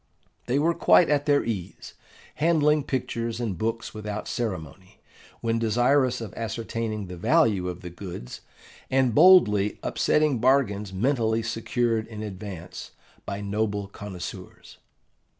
They were quite at their ease, handling pictures and books without ceremony, when desirous of ascertaining the value of the goods, and boldly upsetting bargains mentally secured in advance by noble connoisseurs.